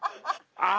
あ！